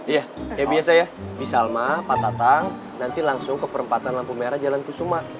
iya kayak biasa ya di salma pak tatang nanti langsung ke perempatan lampu merah jalan kusuma